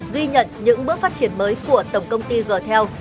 ghi nhận những bước phát triển mới của tổng công ty g tel